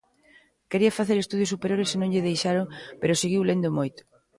Quería facer estudos superiores e non lle deixaron pero seguiu lendo moito.